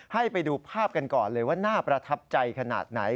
ให้ไปดูภาพกันก่อนเลยว่าน่าประทับใจขนาดไหน